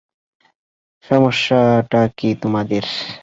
সমস্যাটা কী তোমাদের?